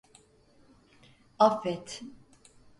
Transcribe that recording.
Affet.